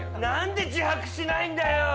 なんで自白しないんだよ。